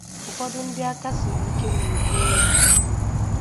Ụfọdụ ndị aka siri ike na-egbu ewu